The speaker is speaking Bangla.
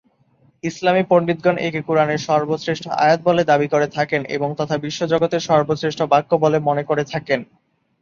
ইসলামি পণ্ডিতগণ একে কুরআনের সর্বশ্রেষ্ঠ আয়াত বলে দাবি করে থাকেন, এবং তথা বিশ্বজগতের সর্বশ্রেষ্ঠ বাক্য বলে মনে করে থাকেন।